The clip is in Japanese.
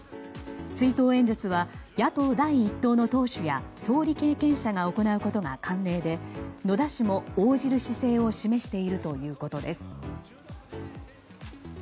追悼演説は野党第１党の党首や総理経験者が行うことが慣例で野田氏も応じる姿勢を示しているということです。